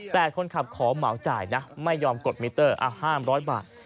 แต่คนขับขอเหมาจ่ายนะไม่ยอมกดมิเตอร์๕๐๐บาท